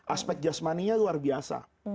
aspek jasmaninya luar biasa